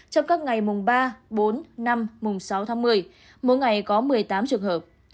trong các ngày ba bốn năm sáu tháng một mươi mỗi ngày có một mươi tám trường hợp